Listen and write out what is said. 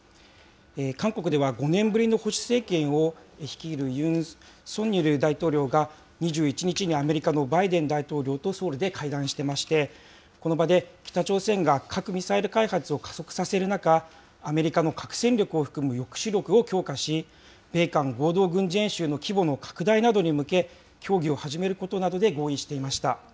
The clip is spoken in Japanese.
韓国では５年ぶりの保守政権を率いるユン・ソンニョル大統領が、２１日にアメリカのバイデン大統領とソウルで会談してまして、この場で、北朝鮮が核・ミサイル開発を加速させる中、アメリカの核戦力を含む抑止力を強化し、米韓合同軍事演習の規模の拡大などに向け、協議を始めることなどで合意していました。